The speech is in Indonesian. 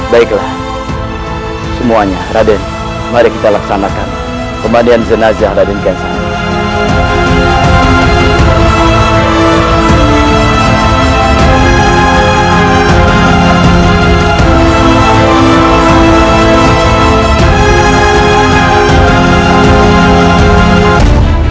baiklah semuanya raden mari kita laksanakan pembahadian jenazah raden gensan